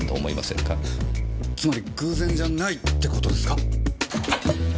つまり偶然じゃないって事ですか？